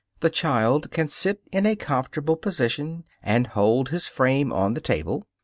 The child can sit in a comfortable position and hold his frame on the table. (Fig.